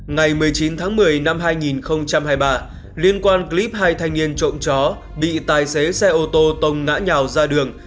ngày một mươi chín tháng một mươi năm hai nghìn hai mươi ba liên quan clip hai thanh niên trộm chó bị tài xế xe ô tô tông ngã nhào ra đường